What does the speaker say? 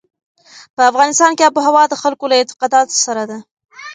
په افغانستان کې آب وهوا د خلکو له اعتقاداتو سره ده.